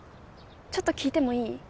ちょっと聞いてもいい？